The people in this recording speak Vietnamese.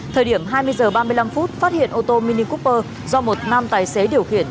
thời điểm hai mươi h ba mươi năm phút phát hiện ô tô mini kuper do một nam tài xế điều khiển